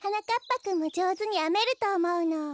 ぱくんもじょうずにあめるとおもうの。